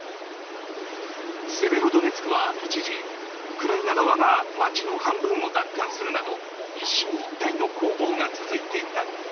セベロドネツクは一時、ウクライナ側が街の半分を奪還するなど一進一退の攻防が続いていた。